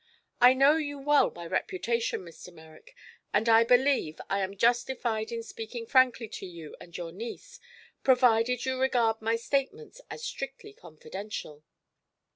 "I know you well by reputation, Mr. Merrick, and believe I am justified in speaking frankly to you and your niece, provided you regard my statements as strictly confidential.